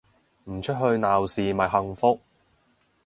唔出去鬧事咪幸福